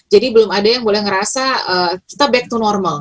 jadi belum ada yang boleh merasa kita back to normal